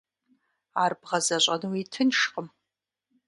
Ар бгъэзэщӏэнуи тыншкъым.